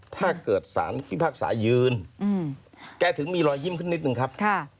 ถ้าเกิดสารพิพากษายืนแกถึงมีรอยยิ้มขึ้นนิดนึงครับ